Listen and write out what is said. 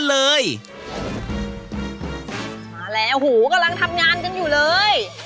มาแล้วหูกำลังทำงานกันอยู่เลย